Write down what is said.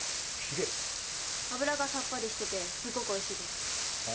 脂がさっぱりしててすごくおいしいです。